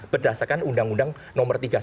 berdasarkan undang undang nomor tiga puluh satu